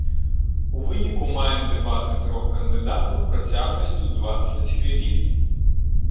У выніку, маем дэбаты трох кандыдатаў працягласцю дваццаць хвілін.